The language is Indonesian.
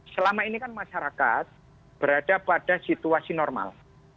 selama ini kan masyarakat berada pada situasi normal